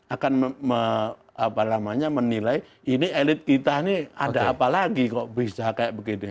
akan menilai ini elit kita ini ada apa lagi kok bisa kayak begini